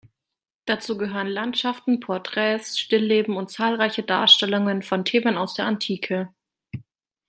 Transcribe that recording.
Dazu gehören Landschaften, Porträts, Stillleben und zahlreiche Darstellungen von Themen aus der Antike.